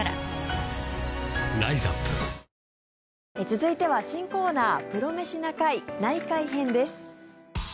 続いては新コーナー「プロメシな会内科医編」です。